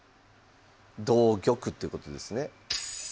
同玉っていうことですね。